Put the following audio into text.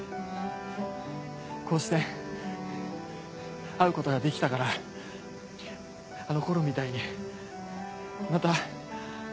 こうして会うことができたからあの頃みたいにまた。